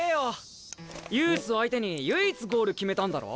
ユースを相手に唯一ゴール決めたんだろ？